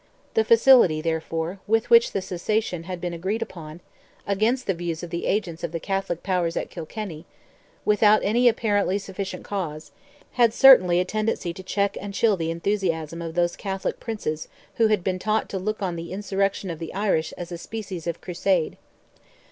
The facility, therefore, with which the cessation had been agreed upon, against the views of the agents of the Catholic powers at Kilkenny, without any apparently sufficient cause, had certainly a tendency to check and chill the enthusiasm of those Catholic Princes who had been taught to look on the insurrection of the Irish as a species of Crusade.